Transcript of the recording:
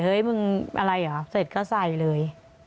มึงอะไรเหรอเสร็จก็ใส่เลย